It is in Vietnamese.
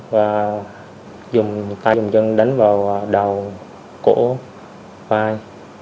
và dùng tay dùng chân đánh vào đầu cổ vai